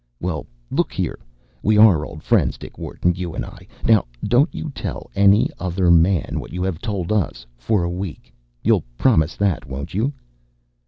“Well, look here; we are old friends, Dick Wharton, you and I. Now don’t you tell any other man what you have told us, for a week. You’ll promise that, won’t you?